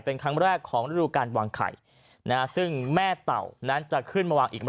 เป็นครั้งแรกของฤดูการวางไข่นะฮะซึ่งแม่เต่านั้นจะขึ้นมาวางอีก